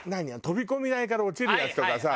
飛び込み台から落ちるやつとかさ。